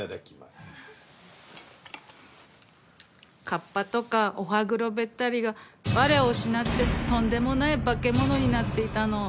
河童とかお歯黒べったりが我を失ってとんでもない化け物になっていたの。